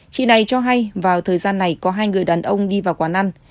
chị này cho hay vào thời gian này có hai người đàn ông đi vào quán ăn